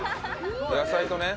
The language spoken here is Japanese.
野菜とね。